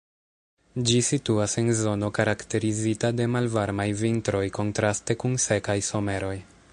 Ĝi situas en zono karakterizita de malvarmaj vintroj, kontraste kun sekaj someroj.